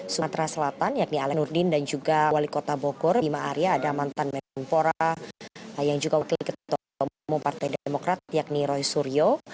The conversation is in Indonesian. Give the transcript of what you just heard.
sumatera selatan yakni alain nurdin dan juga wali kota bogor lima area ada mantan mempora yang juga wakil ketemu partai demokrat yakni roy suryo